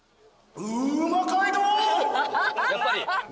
やっぱり。